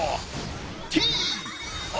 Ｔ！